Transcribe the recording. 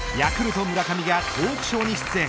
ヤクルト村上がトークショーに出演。